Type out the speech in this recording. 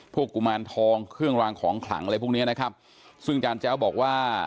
กุมารทองเครื่องรางของขลังอะไรพวกเนี้ยนะครับซึ่งอาจารย์แจ้วบอกว่า